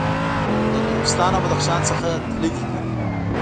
له ترکستان او بدخشان څخه تللي دي.